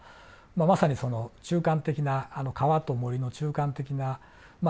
まさにその中間的な川と森の中間的なまあ